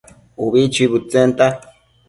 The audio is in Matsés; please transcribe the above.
ubi chuibëdtsenta